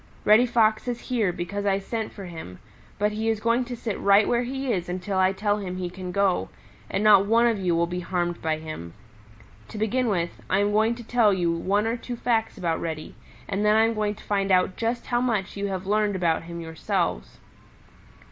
Reddy Fox is here because I sent for him, but he is going to sit right where he is until I tell him he can go, and not one of you will be harmed by him. To begin with, I am going to tell you one or two facts about Reddy, and then I am going to find out just how much you have learned about him yourselves.